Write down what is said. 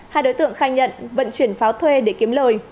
hai đối tượng khai nhận vận chuyển pháo thuê để kiếm lời